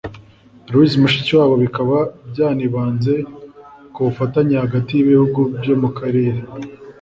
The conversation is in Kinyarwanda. Louise Mushikiwabo bikaba byanibanze ku bufatanye hagati y’ibihugu byo mu karere